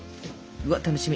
うわっ楽しみ。